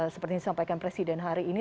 seperti yang disampaikan presiden hari ini